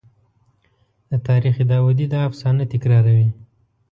د تاریخ داودي دا افسانه تکراروي.